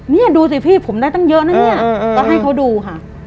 นี่ดูสิพี่ผมได้ตั้งเยอะนะเนี่ยก็ให้เขาดูค่ะ